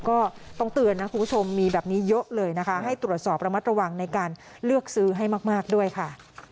ก็ต้องเตือนนะคุณผู้ชมมีแบบนี้เยอะเลยนะคะให้ตรวจสอบระมัดระวังในการเลือกซื้อให้มากด้วยค่ะ